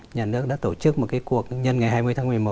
nhà nước đã tổ chức một cuộc nhân ngày hai mươi tháng một mươi một